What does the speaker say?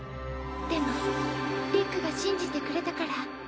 でもリックが信じてくれたから。